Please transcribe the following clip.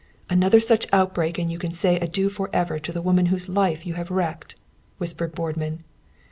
"Another such outbreak and you can say adieu forever to the woman whose life you have wrecked," whispered Boardman.